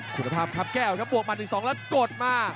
คุณภาพขับแก้วครับบวกมาถึง๒แล้วกดมา